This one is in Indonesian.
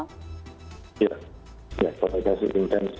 iya komunikasi intens